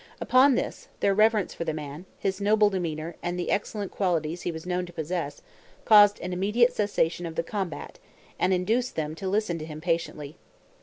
Upon this, their reverence for the man, his noble demeanor, and the excellent qualities he was known to possess, caused an immediate cessation of the combat, and induced them to listen to him patiently.